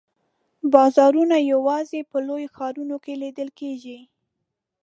بازارونه یوازي په لویو ښارونو کې لیده کیږي.